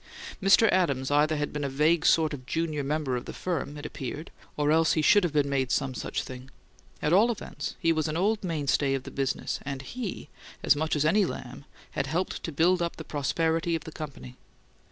Mr. Adams either had been a vague sort of junior member of the firm, it appeared, or else he should have been made some such thing; at all events, he was an old mainstay of the business; and he, as much as any Lamb, had helped to build up the prosperity of the company.